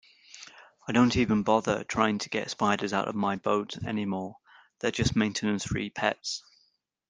I don't even bother trying to get spiders out of my boat anymore, they're just maintenance-free pets.